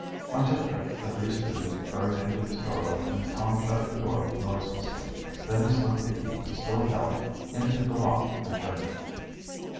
On tiptoe the three students hurried into the storeroom and Tom shut the door noiselessly. Then he slipped the key he still held into the lock and turned it.